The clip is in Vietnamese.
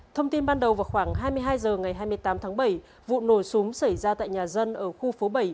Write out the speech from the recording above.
thông tin ban đầu vào khoảng hai mươi hai h ngày hai mươi tám tháng bảy vụ nổ súng xảy ra tại nhà dân ở khu phố bảy